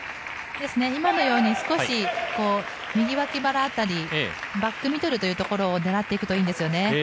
今のように少し右脇腹辺りバックミドルというところを狙っていくといいんですね。